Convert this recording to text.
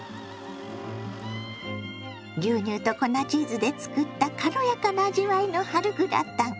牛乳と粉チーズで作った軽やかな味わいの春グラタン。